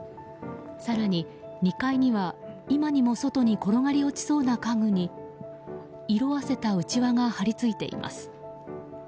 更に、２階には今にも外に転がり落ちそうな家具に色あせたうちわが貼り付いています。